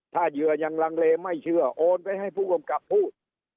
ถ้าเหยื่อยังลังเลไม่เชื่อโอนไปให้ผู้กำกับพูด